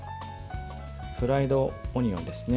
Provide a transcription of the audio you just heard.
フライドオニオンですね。